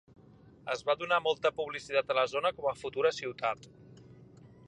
Es va donar molta publicitat a la zona com a futura ciutat.